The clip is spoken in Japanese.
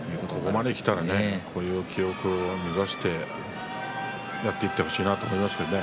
ここまできたらねという記録を目指してやっていってほしいなと思いますね。